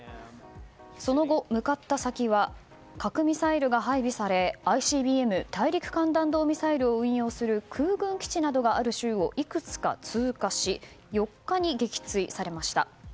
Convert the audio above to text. その後向かった先は核ミサイルが配備されＩＣＢＭ・大陸間弾道ミサイルを運用する空軍基地などがある州をいくつか通過し４日に撃墜されました。